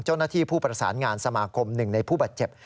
เจ้าหน้าที่ผู้ประสานงานสมาคมหนึ่งในผู้บาดเจ็บ